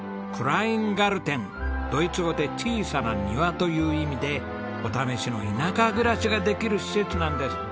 ドイツ語で「小さな庭」という意味でお試しの田舎暮らしができる施設なんです。